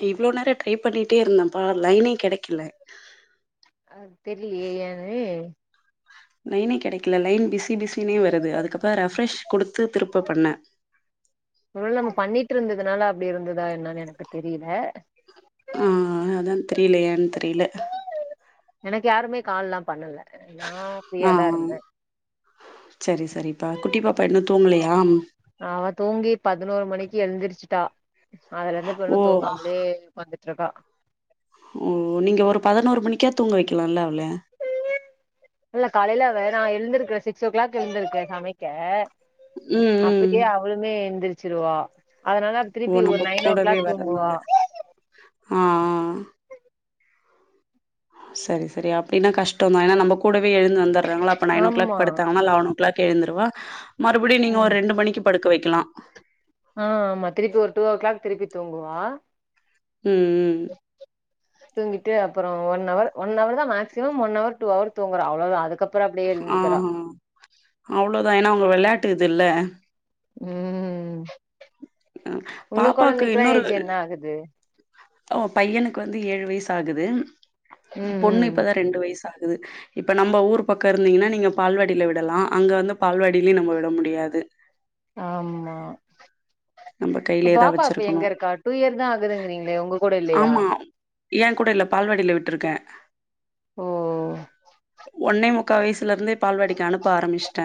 கிவ்ளோ நேர ட்ரை பண்ணிட்டே இருந்தப்பா லைனே கெடைக்கல ஆ தெர்லியே ஏன்னு லைனே கெடைக்ல லைன் பிஸி பிஸினே வருது அதுக்கப்பறோ ரெஃப்ரெஷ் குடுத்து திருப்ப பண்ணே ஒரு வேள நம்ம பண்ணிட்டுருந்ததுனால அப்டி இருந்ததா என்னான்னு எனக்கு தெரில ஆ அதா தெரில ஏன்னு தெரில எனக்கு யாருமே கால்லா பண்ணல நா ஆ ஃப்ரீயாதா இருந்தே சரி சரிப்பா குட்டிப்பாப்பா இன்னு தூங்கலயா அவ தூங்கி பதினோரு மணிக்கு எழுந்திரிச்சிட்டா அதுல இருந்து இப்ப ஓ இன்னு தூங்காமலே பாத்துட்டுருக்கா ஓ நீங்க ஒரு பதினோரு மணிக்கா தூங்க வைக்கலால்ல அவள இல்ல காலேல அவ நா எழுந்துருக்குற சிக்ஸ் ஓ கிளாக் எழுந்துருக்குறே சமைக்க ம் ம் அப்பயே அவளுமே எந்திரிச்சிருவா அதனாலா ஓ திருப்பி ஒரு நம்ம நைன் ஓ கூடவே கிளாக் வர்றனால தூங்குவா ஆ ஆ சரி சரி அப்டினா கஷ்டடோந்தா ஏன்னா நம்ம கூடவே எழுந்து வந்துர்றாங்கல்ல அப்ப நைன் ஓ கிளாக் ஆமா படுத்தாங்கன்னா லெவன் ஓ கிளாக் எழுந்துருவா மறுபடியு நீங்க ம் ஒரு ரெண்டு மணிக்கு படுக்க வைக்கலா ஆ ஆமா திருப்பி ஒரு டூ ஓ கிளாக் திருப்பி தூங்குவா ம் ம் தூங்கிட்டு அப்பறோ ஒன் அவர் ஒன் அவர்தா maximum one hour two hour தூங்குறா அவ்ளோதா அதுக்கப் ஆ அவ்ளோதா ஏன்னா அவுங்க வெளாட்டு இது இல்ல ம் ஒங்க கொழந்தைக்கெல்லா ஏஜ் என்ன ஆகுது ஓ பையனுக்கு வந்து ஏழு வயசு ஆகுது ம் பொண்ணு ம் இப் பதா ரெண்டு வயசு ஆகுது இப்ப நம்ம ஊர் பக்கோ இருந்தீங்ன்னா நீங்க பால்வாடில விடலா அங்க வந்து பால்வாடிலயு நம்ம விட முடியாது ஆமா நம்ம இப்ப கையிலயேதா பாப்பா அப்ப வச்சிருக்கணு எங்க இருக்கா டூ இயர்தா ஆகுதுங்கிறீங்களே ஒங்க கூட இல்லையா ஆமா ஏ கூட இல்ல பால்வாடில விட்ருக்கே ஓ ஒன்னே முக்கா வயசுலருந்தே பால்வாடிக்கு அனுப்ப ஆரம்பிச்ட்டே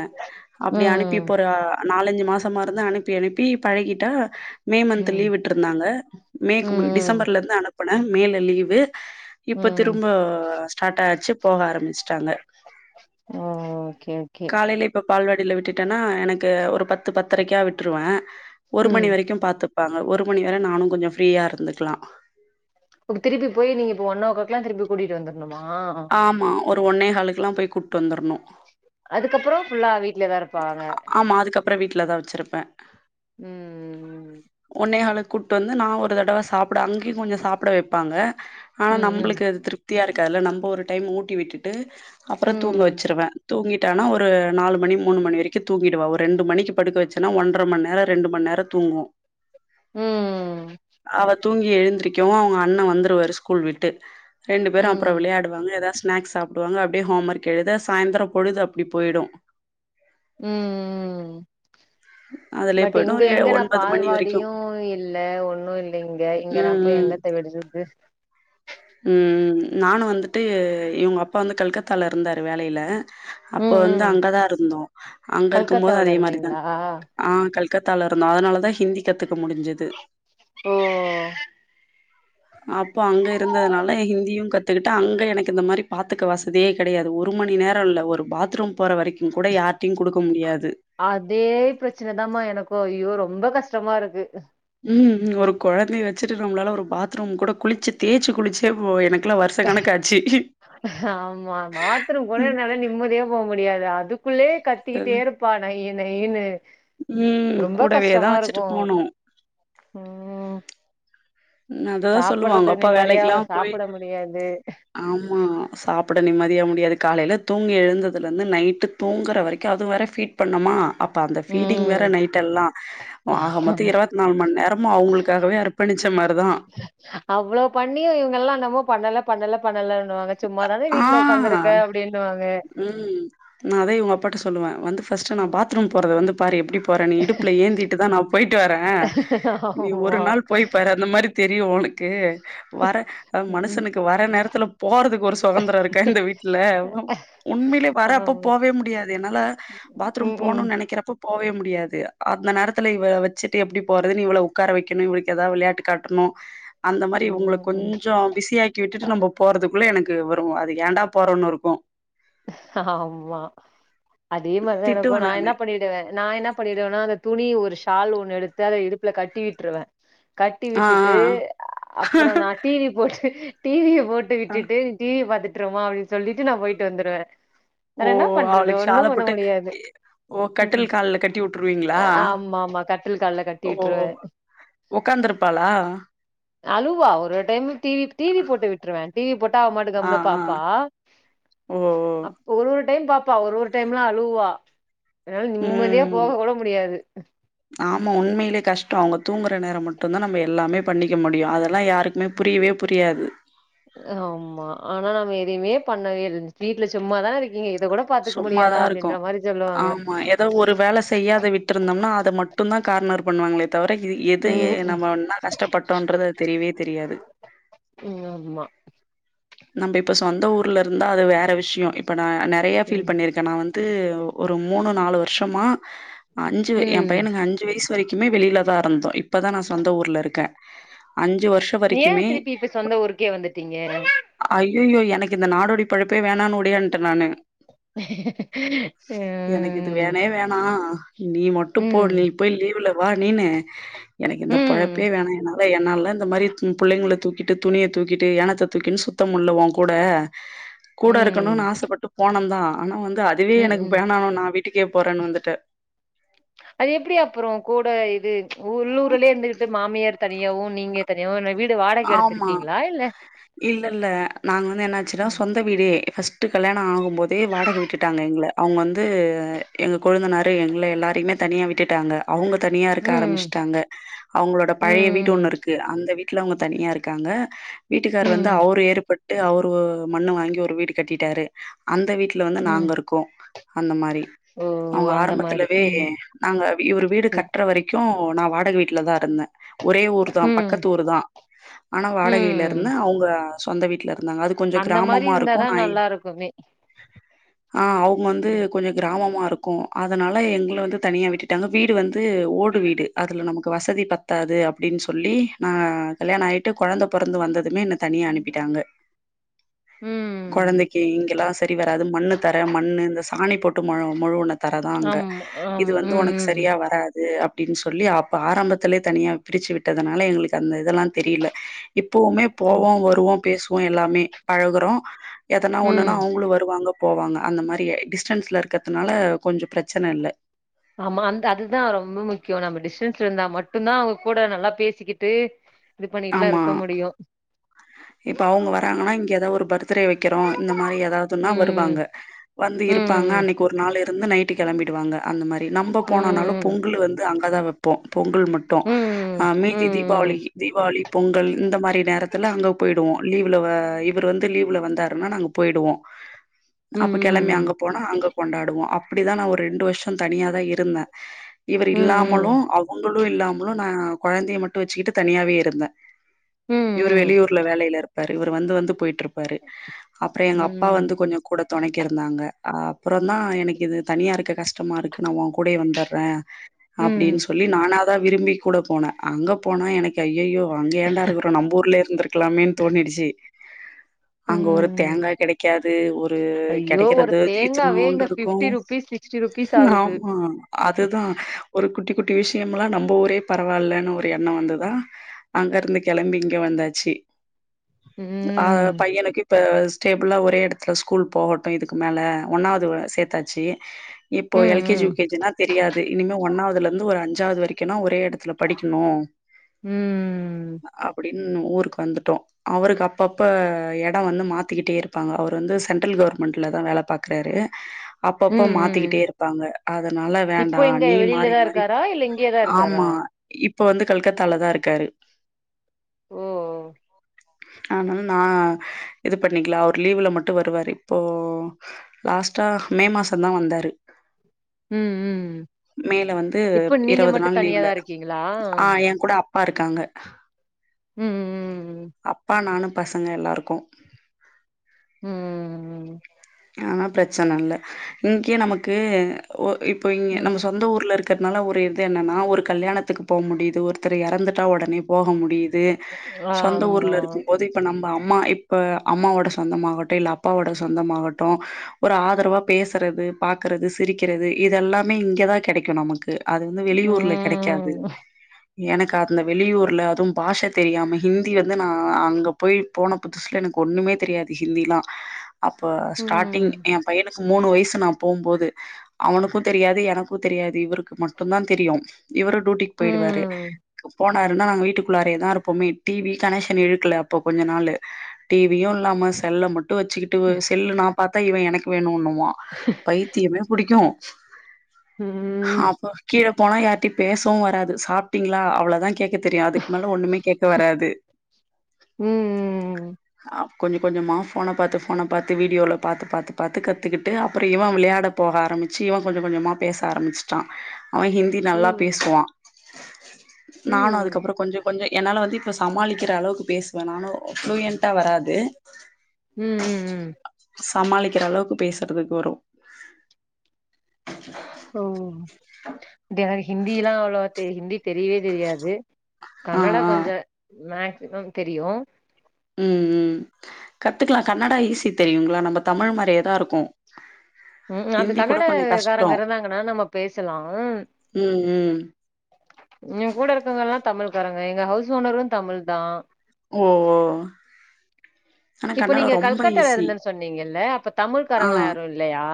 அப்டி அனுப்பி ம் இப்ப ஒரு நாலஞ்சு மாசமா இருந்து அனுப்பி அனுப்பி பழகிட்டா மே மந்த் ம் லீவ் விட்டுருந்தாங்க மேக்கு மு ம் டிசம்பர்ல இருந்து அனுப்புனே மேல லீவு இப்ப ம் திரும்ப ஸ்டார்ட் ஆச்சு போக ஆரம்பிச்சுட்டாங்க ஓ ஓகே ஓகே காலேல இப்ப பால்வாடில விட்டுட்டேன்னா எனக்கு ஒரு பத்து பத்தரைக்கா விட்டுருவே ஒரு ம் மணி வரைக்கு பாத்துப்பாங்க ஒரு மணி வர நானு கொஞ்சோ ஃப்ரீயா இருந்துக்கலா இப்ப திருப்பி போய் நீங்க இப்ப ஒன் ஓ கிளாக்லா திருப்பி கூட்டிட்டு வந்துர்ணுமா ஆமா ஒரு ஒன்னே காலுக்கெல்லா போய் கூட்டு வந்துர்ணு அதுக்கப்பறோ ஃபுல்லா வீட்லயே தா இருப்பாங்க ஆமா அதுக்கப்பறோ வீட்ல தா வச்சிருப்பே ம் ம் ஒன்னேகாலுக்கு கூட்டு வந்து நா ஒரு தடவ சாப்ட அங்கயு கொஞ்சோ சாப்ட வைப்பாங்க ஆனா ம் ம் நம்பளுக்கு அது திருப்தியா இருக்காதுல நம்ப ஒரு டைம் ஊட்டி விட்டுட்டு அப்பறோ தூங்க ம் வச்சிருவே தூங்கிட்டானா ஒரு நாலு மணி மூணு மணி வரைக்கு தூங்கிடுவா ஒரு ரெண்டு மணிக்கு படுக்க வெச்சன்னா ஒன்ற மணிநேரோ ரெண்டு மணிநேரோ தூங்கு ம் அவ தூங்கி எழுந்திருக்கவு அவங்க அண்ணே வந்துருவாரு ஸ்கூல் விட்டு ரெண்டு பேரும் ம் அப்புறம் விளையாடு வாங்க ஏதாது ஸ்னாக்ஸ் சா டுவாங்க அப்டியே ஹோம் ஒர்க் எழுத சாயந்தரம் பொழுது அப்டி போயிடும் ம் ம் அ பட் இங்க எங்க நான் பால்வாடியும் இல்ல ஒன்னும் இல்ல இங்க இங்க ம் நான் போய் எங்கத்த விடுறது உம் நானும் வந்துட்டு இவங்க அப்பா வந்து கல்கத்தால இருந்தாரு வேலையில அப்ப ம் வந்து ம் அங்கதான் இருந்தோம் அங்க இருக்கும் போதும் கல்கத்தாவுல அதே மாரிதான் இருந்தீங்களா ஆ கல்கத்தால இருந்தோம் அதனாலதான் ஹிந்தி கத்துக்க முடிஞ்சிது ஓ அப்போ அங்க ந்ததுனால ஹிந்தியும் கத்துக்கிட்ட அங்க எனக்கு இந்த மாரி பாத்துக்க வசதியே கடையாது ஒரு மணி நேரம் இல்ல ஒரு பாத்ரூம் போற வரைக்கும் கூட யார்டையும் குடுக்க முடியாது அதே பிரச்சனதாமா எனக்கும் ஐயோ ரொம்ப கஷ்டமா இருக்கு ம் ம் ஒரு கொழந்தய வச்சிட்டு நம்ளால ஒரு பாத்ரூம் கூட குளிச்சி தேச்சு குளிச்சே பொ எனக்குலாம் வருஷ கணக்காட்சி ஆமாமா பாத்ரூம் கோட என்னால நிம்மதியா போ முடியாது அதுக்குள்ளே அ கத்திக்கிட்டே இருப்பா நைய் நைய்னு ம் கூடவேதான் வச்சுட்டு போனும் ம் உ அததான் சொல்லுவாங்க சாப்பட்றதுக்கு அப்பா நிம்மதியா வேலைக்கெல்லாம் போய் சாப்பட முடியாது ஆமா சாப்ட நிம்மதியா முடியாது காலையில தூங்கி எழுந்ததுலருந்து நைட்டு தூங்குற வரைக்கும் அதுவு வேற ஃபீட் பண்ணோமா அ பா அந்த ஃபீடிங் ம் வேற நைட் எல்லாம் ஆக மொத்த இருபத் நாலு மண் நேரமு அவங்களுக்காகவே அர்பணிச் தான் அவ்ளோ பண்ணியும் இவங்கல்லாம் நம்மோ பண்ணல பண்ணல பண்ணலன்னுவாங்க சும்மாதான வீட்டுல உக்காந்துருக்க அப்டின்னுவாங்க உம் நான் அதே உங்க அப்பாட்ட சொல்லுவன் வந்து ஃபர்ஸ்ட் நான் ம் பாத்ரூம் போறத வந்து பாரு எப்டி போறேனு இடுப்புல ஏந்திட்டு தான் நான் போயிட்டு வரேன் நீ ஒரு ஆமா நாள் போயி பாரு அந்த மாரி தெரியும் ஒனக்கு வர ம் மனுஷனுக்கு வர நேரத்துல போறதுக்கு ஒரு சுதந்திரம் இருக்க இந்த வீட்டுல உண்மையிலே வர அப்ப ஆமா போவே முடியாது என்னால பாத்ரூம் ம் ம் போணும்னு நனைக்கிறப்ப போவே முடியாது அந்த நேரத்துல இவள வச்சுட்டு எப்டி போறதுனு இவ்ள உட்கார வைக்கணும் இவளுக்கு ஏதா விளையாட்டு காட்டணும் அந்த மாரி இவங்கள ம் ம் கொஞ்சம் பிஸியாக்கி விட்டுட்டு நம்ப போறதுக்குள்ள எனக்கு வரும் அது ஏண்டா போறோன்னு இருக்கும் ஆமா அதே மாரிதான் திட்டுவே எனக்கும் நான் நானு என்ன பணி வ நான் என்ன பண்ணிடுவேன்னா அந்த துணி ஒரு ஷால் ஒண்ணு எடுத்து அத இடுப்புல கட்டி விட்ருவேன் கட்டி ஆ விட்டுட்டு அப்புறம் நான் டிவி போட்டு டிவிய ட்டு ஆ விட்டுட்டு டிவிய பாத்துட்டுருமா அப்டின் சொல்லிட்டு நான் போயிட்டு வந்துருவேன் ஓ அவளுக்கு ஷால போட்டு எ ஓ கட்டில் கால்ல கட்டி விட்டுருவீங்களா ஆமா ஆமா கட்டில் கால்ல கட்டி ஓ விட்ருவே உகாந்துருப்பாலா அழுவா ஒரு டைம் டிவி டிவி போட்டு விட்டுருவேன் டிவி போட்டு அவப்பாட்டுக்கு ஆ கம்முனு ஆ பாப்பா ஓ ஓ அப்ப ஒரு ஒரு டைம் பாப்பா ஒரு ஒரு டைம்ல அழுவா அதனால நிம்மதியா ம் போக கூட முடியாது ஆமா உண்மையிலே கஷ்டம் அவங்க தூங்கற நேரம் மட்டும்தான் நம்ம எல்லாமே பண்ணிக்க முடியும் அதெல்லாம் யா க்குமே புரியவே புரியாது ஆமா ஆனா நாம எதையுமே பண்ணவேல் வீட்ல சும்மாதான இருக்கீங்க இத கூட பாத்துக்க முடியாதா சும்மாதா இருக்கோ அப்டின்ற மாரி சொல்லுவாங்க ஆமா எதோ ஒரு வேலை செய்யாத வி ட்ருந்தோம்னா அத மட்டுந்தா கார்னர் பண்ணுவாங்ளே தவர இ எது ம் ம் நம்ம ஒன்னா கஷ்டப்பட்டோன்றது தெரியவே தெரியாது ஆமா நம்ம இப்ப சொந்த ஊர்ல இருந்தா அது வேற விஷ்யோ இப்ப நா நெறைய ஃபீல் ம் பண்ணிருக்கே நா வந்து ஒரு மூணு நாலு வர்ஷமா அஞ்சு வே என் ம் பையனுக்கு அஞ்சு வய்ஸ் வரைக்குமே வெளிலதா இருந்தோ இப்பதா நா சொந்த ஊர்ல இருக்கே அஞ்சு வர்ஷ் ஏன் திருப்பி இப்ப சொந்த ஊருக்கே வந்துட்டீங்க ஐயயோ எனக்கு இந்த நாடோடி பொழப்பே வேணான் ஒடியான்ட்ட நானு உ எனக்கு இது வேணவே வேணா நீ மட்டு போ நீ ம் போய் லீவுல வா நீனு எனக்கு இந்த பொழப்பே ம் வேணா எனா வே என்னால்லா இந்த மாரி தூ பிள்ளைங்குள தூக்கிட்டு துணிய தூக்கிட்டு ஏனத்த தூக்கின் சுத்த முட்ல ஓன் கூட கூட இருக்கணுன் ம் ஆசப்பட்டு போனந்தான் ஆனா வந்து அதுவே ம் எனக்கு ம் வேணா நா வீட்டுக்கே போறேன் வந்துட்டு அது எப்டி அப்புறோ கூட இது உள்ளூருலே இருந்துகிட்டு மாமியார் தனியாவு நீங்க தனியாவு ஆனா வீடு வாடைக் ஆமா. எடுத்துருக்கீங்ளா இல்ல இல்ல இல்ல நாங்க வந்து என்னாச்சுனா ம். சொந்த வீடே ஃபஸ் ட்டு கல்யாண ஆகும்போதே வாடக விட்டுடாங்க எங்ள அவ்ங்க வந்து எங்க கொழுந்தனாரு எங்ள எல்லாரிமே தனியா விட்டுட்டாங்க அவ்ங்க தனியா இருக்க ம். ஆரமிஸ்ட்டாங்க அவ்ங்குளோட பழைய வீடு ம். ஒன்னு இருக்கு அந்த வீட்ல அவ்ங்க தனியா இருக்காங்க வீட்டுக்கார் வந்து ம். அவர் ஏறுபட்டு அவுரு ஓ மண்ணு வாங்கி ஒரு வீடு கட்டிட்டாரு அந்த வீட்ல வந்து ம். நாங்க இருக்கோ அந்த மாரி ஓ! அவ்ங்க அந்த மாரி. ஆரம்பத்துலவே ம். நாங்க வீ இவுரு வீடு ம். கட்ற வரை க்கு நா வாடக வீட்லதா இருந்தே ஒரே ஊர்தா ம். பக்கத்து ஊர்தா ஆனா வாடகைல இருந்த ம். அவ்ங்க சொந்த வீட்ல இருந்தாங்க அது கொஞ்சோ அந்த மாரி கிராமமா இருந்தா இருக்கு தான் நை நல்லா இருக்குமே! ஆ அவ்ங்க வந்து ம். கொஞ்ச கிராமமா இரு க்கு அதுனால எங்ள வந்து தனியா விட்டுட்டாங்க வீடு வந்து ஓடு வீடு அதுல நமக்கு வசதி பத் தாது அப்டின் சொல்லி நா கல்யாணாய்ட்டு கொழந்த பொறந்து வந்ததுமே என்ன தனியா அனுப்பிட்டாங்க ம். கொழந்தைக்கு இங்கெல்லா சரி வராது மண்ணு தர மண்ணு இந்த சாணி போட்டு மொழு மொழுவுன தரதா அங்க ஆமா. ஆம். இது வந்து ஒனக் ம். சரியா வராது அப் டின் சொல்லி அப்ப ஆரம்பத்திலே தனியா பிரிச்சு விட்டதனால எங்ளுக்கு அந்த இதெல்லா தெரில இப்பவுமே ம். போவோ வருவோ பேஸ்வோ எல்லாமே பழகுறோ எதனா ம். ஒன்னுனா அவுங்குளு வருவாங்க போவாங்க அந்த மாரியே டிஸ்டன்ஸ்ல இருக்கற்துனால கொஞ்சு பிரச்சன இல்ல ஆமா அந்த அதுதா ரொம்ப முக்யோ நம்ம டிஸ்டன்ஸ்ல இருந்தா மட்டுந்தா அவ்ங்க கூட நல்லா பேசிக்கிட்டு இது பண்ணிட்டுலாம் ஆமா இருக்க முடியும். இப்ப அவ்ங்க வராங்கனா இங்க எதா ஒரு பரு த்துடே வைக்கிறோ இந்த மாரி எதாவ்துனா வருவாங்க ம். வந்து இருப்பாங்க ம். அன்னைக்கு ஒரு நாள் இருந்து நைட்டு கெளம்பிடுவாங்க அந்த மாரி நம்ப போனானாலும் ம். பொங்கலு வந்து அங்கதா வப் ப்போ பொங்கல் மட்டும் ம் அ மீதி தீபாவளி ம் தீ ளி பொங்கல் இந்த மாரி நேரத்துல அங்க போய்டுவோ லீவுலவ இவுரு வந்து லீவ்ல வந்தாருனா நாங்க போய்டுவோ ம் அப்ப கெளம்பி ம் அங்க போனா அங்க கொண்டாடுவோ அப்டிதா நா ஒரு ரெண்டு வருஷம் தனியா தா இருந்தே இவர் ம் இல்லாமலு அவங்களும் இல்லாமலு நான் கொழந்தைய மட்டும் வச்சுக்கிட்டு தனியாவே இருந்தேன் இவரு ம் வெளியூர்ல வேலையில இருப்பாரு இவர் வந்து வந்து போயிட்டு இருப் பாரு அப்றம் எங்க அப்பா ம் வந்து கொஞ்சோ கூட துணைக்கு இருந்தாங்க அப்புறம் தான் எனக்கு இது தனியா இருக்க கஷ்டமா இருக்கு நா உன் கூடயே வந்துடுறே அப்படின் ம் சொல்லி நானா தா விரும்பி கூட போனேன் அங்க போனா எனக்கு ஐய்யய்யோ இப்ப அங்க ஏண்டா இருக்கிறோ நம்ம ஊர்லய இருந்திருக்கலாமேனு தோணிடுச்சு அங்க ஒரு ம். தேங்கா கிடைக்காது ஒரு ஐயோ ஒரு கிடைக்கறது தேங்காவே இத்துனூண்டு இங்க ஃபிப்டி இருக்கும் ருபீஸ் சிக்ஸ்டி ருபீஸ் ஆகுது ஆமா அதுதான் ஒரு குட்டி குட்டி விஷயமலாம் நம்ம ஊரே பரவால்லன்னு ஒரு எண்ணம் வந்து தா அங்க இருந்து கிளம்பி இங்க வந்தாச்சி அ ம் பையனுக்கு இப்ப ஸ்டேபிளா ஒரே இடத்துல ஸ்கூல் போகட்டு இதுக்கு மேலே ஒன்னாவது சேர்த்தாச்சி ம் இப்போ எல் கே ஜி யூ ம் கே ஜி னா தெரியாது இனிமே ஒன்னாவதுல இருந்து ஒரு அஞ்சாவது வரைக்குன்னா ஒரே இடத்து துல படிக்கணும் ம் ம் ம் அப்படின் ஊருக்கு வந்துட்டோ அவருக்கு அப்பப்ப இடம் வந்து மாத்திக்கிட்டே இருப்பாங்க அவர் வந்து சென்ட்ரல் கவர்மெண்ட்ல தா வேல பாக் க்றாரு ம் அப்பப்ப ம். மாத்திக்கிட்டே இருப்பாங்க அதனால இப்போ வேண்டாம் எங்க நீ மாறி வெளிலதா மாறி இருக்காரா இல்ல இங்கயேதா இருக்காரா ஆமா இப்ப வந்து கல்கத்தால தான் இருக்காரு ஓ அதனால நா இது பண்ணிக்கலா அவர் லீவ்ல மட்டும் வருவாரு இப்போ லாஸ்ட்டா மே மாசந்தா வந்தாரு ம் ம் மேல வந்து இப்ப நீங்க இருவது மட்டு நாள் லீவ்ல தனியாதா இருக்கீங்களா ஆ ஏ கூட அப்பா இருக்காங்க ம் ம் அப்பா நானு பசங்க எல்லா இருக்கோம் ம் ம் ம் ஆனா பிரச்சனை இல்ல இங்கே நமக்கு ஒ இப்போ இங்க ம் நம்ம சொந்த ஊர்ல இருக்கறதுனால ஒரு இது என்னன்னா ஒரு கல்யாணத்துக்கு போக முடியுது ஒருத்தர் இறந்துட்டா உடனே போக முடியுது சொந்த ஆமா ஊர்ல இருக்கும் போதே இப்ப நம்ம அம்மா இப்ப அம்மாவோட சொந்தமாகட்டும் இல்ல அப்பாவோட சொந்தமாகட்டும் ஒரு ஆதரவா பேசுறது பாக்கறது சிரிக்கிறது இதல்லாமே இங்க தா கிடைக்கு நமக்கு அது வந்து வெளியூர்ல கிடைக்காது ம் எனக்கு அந்த வெளியூர்ல அதுவு பாஷ தெரியாம ஹிந்தி வந்து நா அங்க போய் போன புதுசுல எனக்கு ஒண்ணுமே தெரியாது ஹிந்தில்லாம் அப்ப ஸ்டாட்டிங் ம் ஏ பையனுக்கு மூணு வயசு நான் போகும்போது அவனுக்கும் தெரியாது எனக்கும் தெரியாது இவருக் மட்டும்தான் தெரியும் இவரும் டூட்டிக்கு போயிடுவாரு ம் போன போய்ட்டாருன்னா வீட்டுக்குள்ளாரே தா இருப்போமே டிவி கனெக்ஷன் இழுக்கல அப்போ கொஞ்ச நாளு டிவியும் இல்லாம செல்ல மட்டும் வச்சுக்கிட் செல்ல நான் பார்த்தா இவன் எனக்கு வேணுணுவான் பைத்தியமே பிடிக்கும் அப்ப கீழே போனா யார்ட்டயும் பேசவும் வராது சாப்டிங்களா அவ்வளோதான் கேக் தெரியு அதுக்கு மேல ஒண்ணுமே கேட்க வராது ம், ஆஃப் கொஞ்ச கொஞ்சமா போன பாத்து போன பாத்து வீடியோல பாத்து பாத்து பாத்து கத்துக்கிட்டு அப்ற இவன் விளையாட போக ஆரம்பிச்சி இவ கொஞ்சோ கொஞ்சமா பேச ஆரம்பிச்சிட்டா அவன் ஹிந்தி நல்லா ம், பேசுவா நானு ம், அதுக்கப்பற கொஞ்சோ கொஞ்சோ என்னால வந்து இப்ப சமாளிக்கிற அளவுக்கு பேசுவ நானு ப்ளூயண்டா வராது ம் ம் ம் சமாளிக்கிற அளவுக்கு பேசுறதுக்கு வரு ஓ த ஹிந்திலா அவ்ளவா தெ ஹிந்தி தெரியவே தெரியாது ஆ கன்னடா ஆ கொஞ்சோ மேக்சிம தெரியு ம் ம் கத்துக்கலா கன்னடா ஈஸி தெரியுங்களா நம்ம தமிழ் மாரியேதா இருக்கு ம் அது ஹிந்தி கூட கொஞ்ச கஷ்டோ கன்னடக்காரங்க இருந்தாங்கனா நம்ம பேசலா ம் ம் என்கூட இருக்கவுங்கல்லா தமிழ்க்காரங்க எங்க ஹவுஸ் ஓனரு தமிழ் தா ஓ ஓ ஆனா இப்ப கன்னடோ நீங்க ரொம்ப கல்கட்டால ஈஸி இருந்தன் சொன்னீங்கல்ல அப்ப ஆ தமிழ்காரங்களா யாரு இல்லயா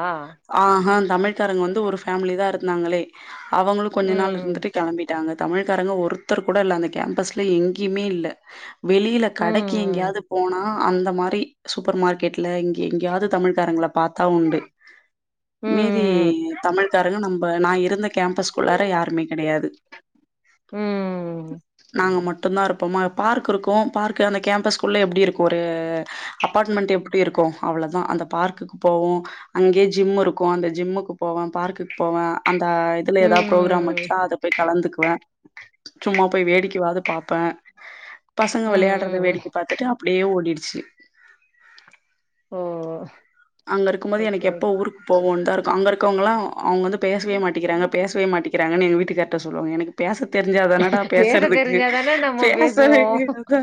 ஆஹா தமிழ் காரங்க வந்து ஒரு ஃபேமிலி தா இருந்தாங்களே அவங்களு கொஞ்சோ நாள் ம், இருந்துட்டு கெளம்பிட்டாங்க தமிழ்காரங்க ஒருத்தர் கூட இல்ல அந்த கேம்பஸ்ல எங்கயுமே இல்ல வெளில கடைக்கு ம், எங்கயாது போனா அந்த மாரி சூப்பர் மார்க்கெட்ல இங்க எங்கயாவது தமிழ்காரங்கள பாத்தா உண்டு ம், மீதி ம், தமிழ்காரங்க நம்ம நான் இருந்த கேம்பஸ்க்குள்ளார யாருமே கெடையாது ம், நாங்க மட் மட்டுதா இருப்போமா பார்க் இருக்கு பார்க் அந்த கேம்ப்ஸ்குள்ள எப்டி இருக்கு ஒரு அப்பார்ட்மெண்ட் எப்டி இப்டி இருக்கு அவ்ளோ தா அந்த பார்க்குக்கு போவோ அங்கயே ஜிம் இருக்கு அந்த ஜிம்முக்கு போவ பார்க்குக்கு போவ அந்த இதுல எதாவது ப்ரோக்ராம் ம், ச்சா அத போய் கலந்துக்குவ சும்மா போய் வேடிக்கவாது பாப்ப பசங்க விளையாடுறத ம், ம். வேடிக்க பாத்துட்டு அப்டியே ஓடிடுச்சு ஓ அங்க இருக்குபோது ஓகே எனக்கு எப்போ ஓகே ஊருக் இப்ப ஒன்தா இருக்கு அங்க இருக்கவங்களா அவங்க வந்து பேசவே மாட்டிக்கிறாங்க பேசவே மாட்டிக்கிறாங்க எங்க வீட்டுக்காருகிட்ட சொல்லுவாங்க எனக்கு பேச தெரிஞ்சாதனடா பேச பேசுறதுக்கு தெரிஞ்சாதானே நம்ம பேசுவோ பேசவே தெரியாதா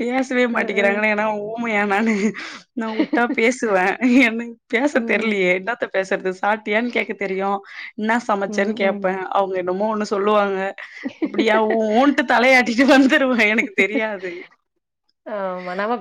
பேசவே ம் மாட்டிக்கிறாங்கன்னா ஏன்னா ஓ முயா நானு நா உட்டா பேசுவ என்னக்கு ம் பேச ம் தெரிலயே என்னாத்த பேசுறது சாப்ட்டியான் கேக்க தெரியு என்னா சமைச்சன் ம் ம், ம். கேப்ப அவங்க என்னமோ ஒன்னு சொல்லுவாங்க அப்டியா உ உன்ட்டு தலையாட்டிட்டு வந்துருவ எனக்கு தெரியாது ஆ வனவாக்க